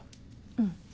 うん。